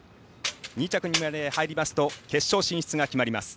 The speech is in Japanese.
２着までに入りますと決勝進出が決まります。